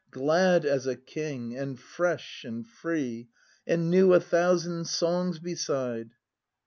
] Glad as a king, and fresh, and free, — And knew a thousand songs beside!